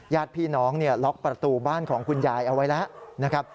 ญาติพี่น้องล็อกประตูบ้านของคุณยายเอาไว้แล้วนะครับ